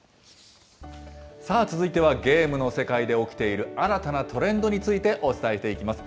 続いてはゲームの世界で起きている新たなトレンドについて伝えていきます。